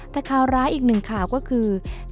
แต่ข่าวร้ายอีกหนึ่งข่าวก็คือ